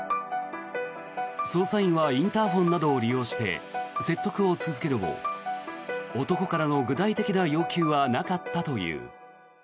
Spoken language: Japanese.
捜査員はインターホンなどを利用して説得を続けるも男からの具体的な要求はなかったという。